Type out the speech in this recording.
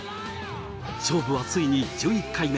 勝負はついに１１回目。